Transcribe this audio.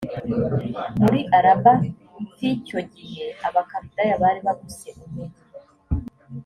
muri araba f icyo gihe abakaludaya bari bagose umugi